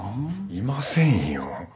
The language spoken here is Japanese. いませんよ。